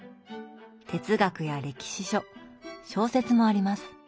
哲学や歴史書小説もあります。